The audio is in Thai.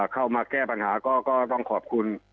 เข้ามาแก้ปัญหาก็ต้องขอบคุณ